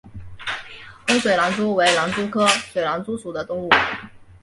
弓水狼蛛为狼蛛科水狼蛛属的动物。